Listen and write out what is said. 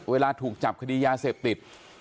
เวลาถูกจับคดียาเสพติด